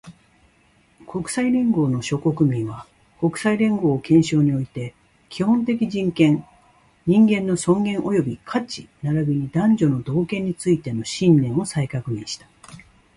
国際連合の諸国民は、国際連合憲章において、基本的人権、人間の尊厳及び価値並びに男女の同権についての信念を再確認した